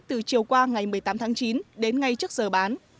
từ chiều qua ngày một mươi tám tháng chín đến ngay trước giờ bán